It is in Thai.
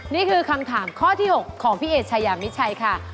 นี่คือคำถามข้อที่๖ของพี่เอชายามิชัยค่ะ